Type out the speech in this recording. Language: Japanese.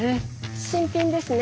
新品ですね。